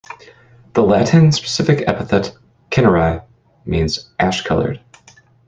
The Latin specific epithet "cinerea" means "ash coloured".